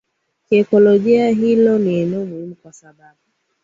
Kiekolojia hilo ni eneo muhimu kwa sababu